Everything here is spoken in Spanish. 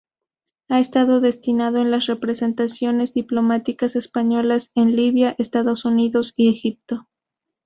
Ha estado destinado en las representaciones diplomáticas españolas en Libia, Estados Unidos y Egipto.